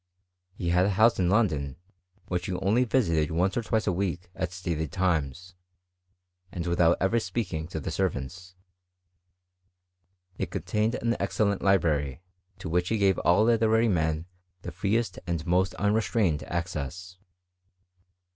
He had a house in London, which he only visited once or twice a week at stated times, and with out ever speaking to the servants : it contained an excellent library, to which he gave all literary men the freest and most unrestrained access.